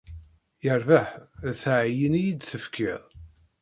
Yerbeḥ, d teɛyin i iyi-d-tefkiḍ.